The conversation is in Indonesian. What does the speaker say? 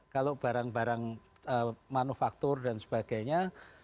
kalau barang barang manufaktur dan sebagainya